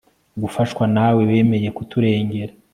gufashwa nawe, wemeye kuturengera